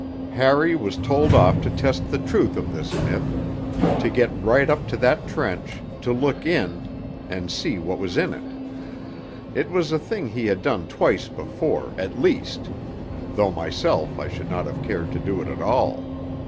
Harry was told off to test the truth of this myth to get right up to that trench, to look in, and see what was in it. It was a thing he had done twice before, at least, though myself I should not have cared to do it at all.